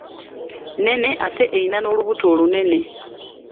Nnene ate erina n'olubuto olunene.